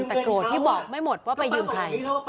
แต่โกรธที่บอกไม่หมดว่าไปยืมใคร